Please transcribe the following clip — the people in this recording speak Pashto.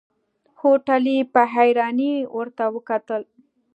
هوټلي په حيرانۍ ورته وکتل.